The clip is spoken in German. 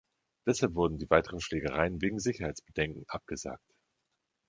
Deshalb wurden die weiteren Schlägereien wegen Sicherheitsbedenken abgesagt.